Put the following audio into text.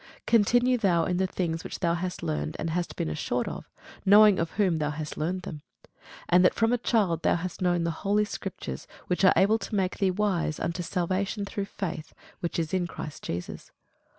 Continue thou in the things which thou hast learned and hast been assured of, knowing of whom thou hast learned them; and that from a child thou hast known the holy scriptures, which are able to make thee wise unto salvation through faith which is in Christ Jesus.